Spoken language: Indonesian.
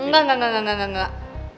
enggak enggak enggak enggak enggak enggak